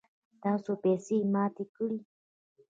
تاسو پیسی ماتی کړئ